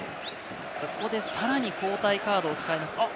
ここでさらに交代カードを使います。